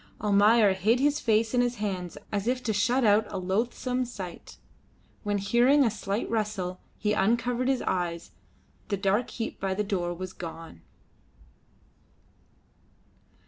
Almayer hid his face in his hands as if to shut out a loathsome sight. When, hearing a slight rustle, he uncovered his eyes, the dark heap by the door was gone.